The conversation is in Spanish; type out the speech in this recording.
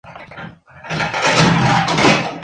Es utilizado por pasajeros de ocio y de escalada.